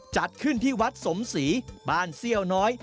จัดขึ้นที่วัดสมศรีบ้านเซี่ยวน้อย